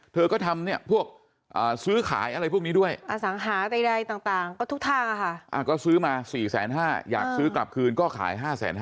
เธอก็ทำเนี่ยพวกซื้อขายอะไรพวกนี้ด้วยอสังหาใดต่างก็ทุกทางค่ะก็ซื้อมา๔๕๐๐บาทอยากซื้อกลับคืนก็ขาย๕๕๐๐